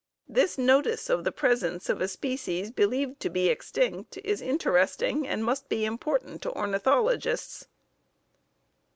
This notice of the presence of a species believed to be extinct is interesting and must be important to ornithologists.